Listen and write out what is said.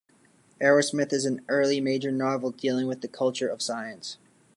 "Arrowsmith" is an early major novel dealing with the culture of science.